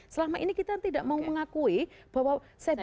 selama ini kita tidak mau mengakui bahwa cyber bullying itu hanya untuk